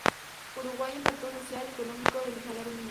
Uruguay: Impacto social y económico del salario mínimo.